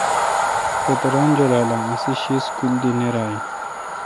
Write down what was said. روتہ ران جولال اؘ اسی شی سکول دی نیر این۔